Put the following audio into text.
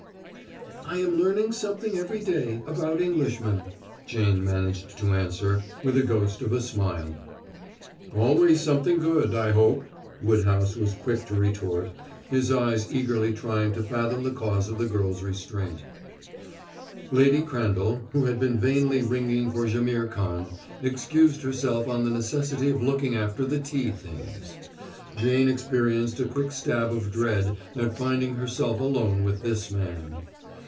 "I am learning something every day about Englishmen," Jane managed to answer, with a ghost of a smile. "Always something good, I hope," Woodhouse was quick to retort, his eyes eagerly trying to fathom the cause of the girl's restraint. Lady Crandall, who had been vainly ringing for Jaimihr Khan, excused herself on the necessity of looking after the tea things. Jane experienced a quick stab of dread at finding herself alone with this man.